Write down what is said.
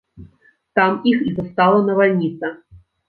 Там іх і застала навальніца.